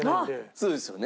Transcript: そうですよね。